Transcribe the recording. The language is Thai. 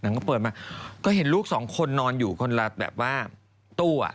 หนังก็เปิดมาก็เห็นลูก๒คนลออนอยู่คนละแบบว่าตู้อะ